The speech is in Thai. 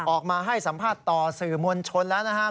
ออกมาให้สัมภาษณ์ต่อสื่อมวลชนแล้วนะครับ